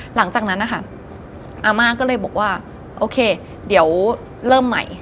หลังจากนั้นนะคะอาม่าก็เลยบอกว่าโอเคเดี๋ยวเริ่มใหม่